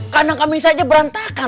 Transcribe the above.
kandang kambing saja berantakan